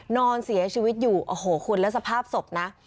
นอนเสียชีวิตอยู่โอ้โหคุณแล้วสภาพศพนะ